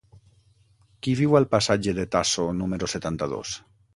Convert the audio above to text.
Qui viu al passatge de Tasso número setanta-dos?